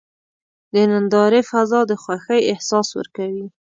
د نندارې فضا د خوښۍ احساس ورکوي.